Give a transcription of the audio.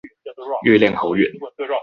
月亮好遠